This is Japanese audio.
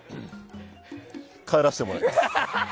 帰らせてもらいます。